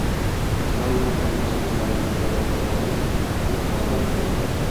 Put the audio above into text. Presentan un mecanismo similar al empleado en caballos, el bocado de la brida.